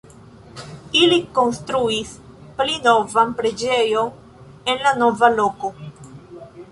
Ili konstruis pli novan preĝejon en la nova loko.